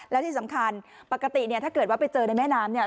แล้วที่สำคัญปกติเนี่ยถ้าเกิดว่าไปเจอในแม่น้ำเนี่ย